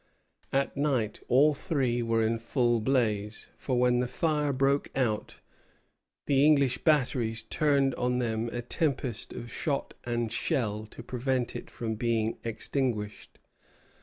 At night all three were in full blaze; for when the fire broke out the English batteries turned on them a tempest of shot and shell to prevent it from being extinguished.